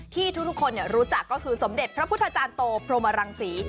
ที่ทุกคนรู้จักก็คือสมเด็จพระพุทธจารย์โตพรหมรังศรี